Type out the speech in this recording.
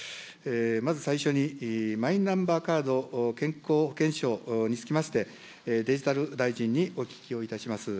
まず最初に、マイナンバーカード健康保険証につきまして、デジタル大臣にお聞きをいたします。